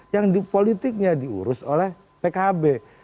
yang di politiknya diurus oleh pkb